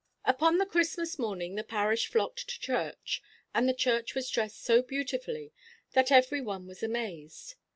Upon the Christmas morning the parish flocked to church, and the church was dressed so beautifully that every one was amazed.